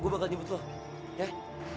gue bakal nyebut wah ya